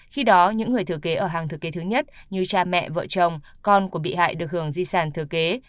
khi đó những người thừa kế ở hàng thừa kế thứ nhất như cha mẹ vợ chồng con của bị hại được hưởng di sản thừa kế